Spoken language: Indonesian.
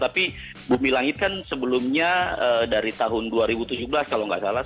tapi bumi langit kan sebelumnya dari tahun dua ribu tujuh belas kalau nggak salah